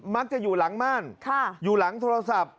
มักจะอยู่หลังม่านอยู่หลังโทรศัพท์